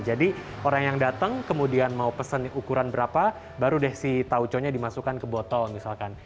jadi orang yang datang kemudian mau pesen ukuran berapa baru deh si taoconya dimasukkan ke botol misalkan